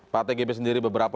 pak tgp sendiri beberapa